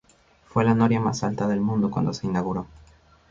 Fue la noria más alta del mundo cuando se inauguró.